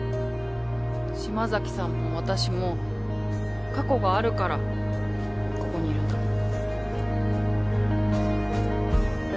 島崎さんも私も過去があるからここにいるんだもん。